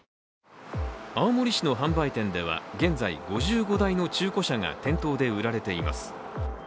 青森市の販売店では現在、５５台の中古車が店頭で売られています。